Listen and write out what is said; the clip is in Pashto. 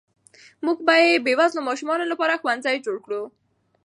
موږ به د بې وزلو ماشومانو لپاره ښوونځي جوړ کړو.